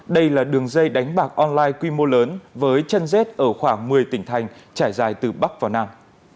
đây là đường dây đánh bạc online quy mô lớn với chân dết ở khoảng một mươi tỉnh thành trải dài từ bắc vào nam